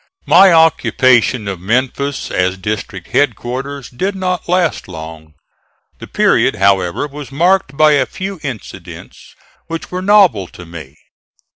My occupation of Memphis as district headquarters did not last long. The period, however, was marked by a few incidents which were novel to me.